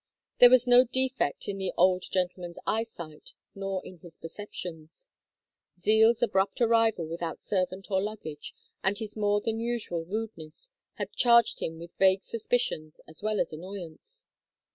There was no defect in the old gentleman's eyesight nor in his perceptions. Zeal's abrupt arrival without servant or luggage, and his more than usual rudeness, had charged him with vague suspicions as well as annoyance.